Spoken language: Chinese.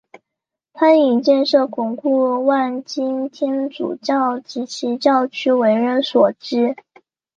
他以建设巩固万金天主堂及其教区为人所知。